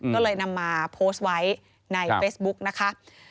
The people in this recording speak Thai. ก็เลยนำมาโพสต์ไว้ในเฟซบุ๊กนะคะ